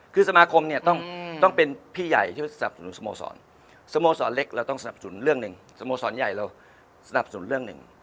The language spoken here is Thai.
คือสมาคมเนี่ยต้องเป็นพี่ใหญ่ที่สนับสนุนสโมสรสโมสรเล็กเราต้องสนับสนุนเรื่องหนึ่งสโมสรใหญ่เราสนับสนุนเรื่องหนึ่ง